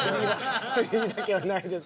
「釣りだけはないです」